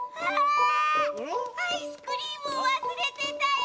アイスクリームわすれてたよ！